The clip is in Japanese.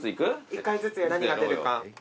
１回ずつ何が出るか。